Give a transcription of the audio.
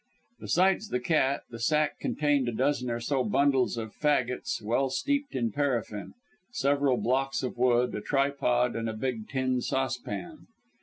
Besides the cat, the sack contained a dozen or so bundles of faggots, well steeped in paraffin, several blocks of wood, a tripod, and a big tin saucepan.